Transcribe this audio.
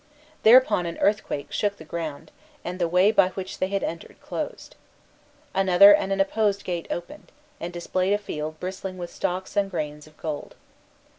Thereupon an earthquake shook the ground, and the way by which he had entered closed. Another and an opposite gate opened, and displayed a field bristling with stalks and grain of gold.